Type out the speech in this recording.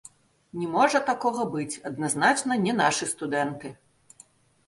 Не можа такога быць, адназначна не нашы студэнты.